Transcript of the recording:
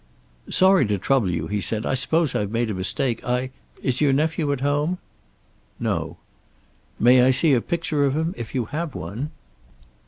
"Sorry to trouble you," he said. "I suppose I've made a mistake. I is your nephew at home?" "No." "May I see a picture of him, if you have one?"